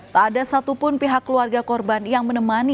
tak ada satupun pihak keluarga korban yang menemani